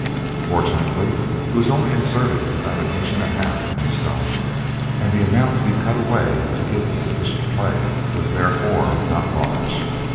Fortunately it was only inserted about an inch and a half in the stone, and the amount to be cut away to give it sufficient play was therefore not large.